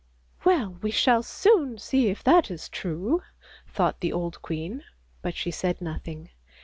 " Well we shall soon see if that is true," thought the old queen, but she said nothing.